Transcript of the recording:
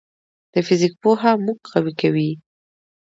د فزیک پوهه موږ قوي کوي.